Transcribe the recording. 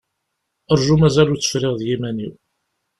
Rju, mazal ur tt-friɣ d yiman-iw.